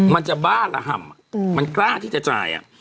มันจะบ้าระห่ำมันกล้าที่จะจ่าย